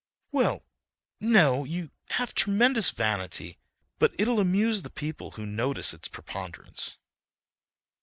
"Well—no, you have tremendous vanity, but it'll amuse the people who notice its preponderance."